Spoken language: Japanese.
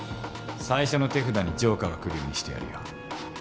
最初の手札にジョーカーが来るようにしてやるよ。